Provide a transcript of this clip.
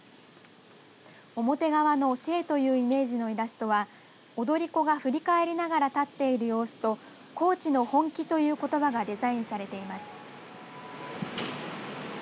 表側の静というイメージのイラストは踊り子が振り返りながら立っている様子と高知の本気、ということばがデザインされています。